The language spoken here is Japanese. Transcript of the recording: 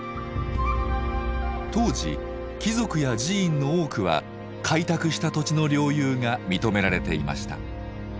当時貴族や寺院の多くは開拓した土地の領有が認められていました。